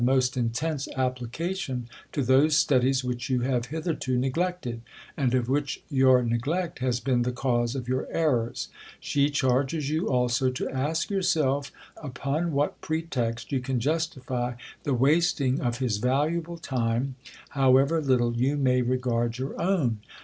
ost intense application to those studies which you have hitherto neglected, and of which your neglect has been the cause of your errors. She cliarges you also to ask yourself, upon what pret ext you can justify the wast ing 228 THE COLUMBIAN ORATOR. ing of his valuable time, however little you may re gard your own.